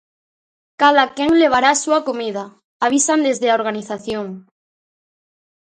Cada quen levará a súa comida, avisan desde a organización.